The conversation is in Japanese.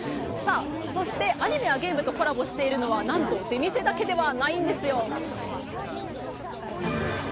そして、アニメやゲームとコラボしているのは何と、出店だけではないんですよ。